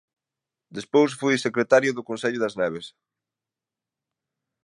Despois foi secretario do concello das Neves.